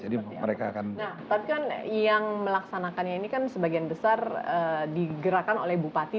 mereka kan nah tapi kan yang melaksanakannya ini kan sebagian besar digerakkan oleh bupati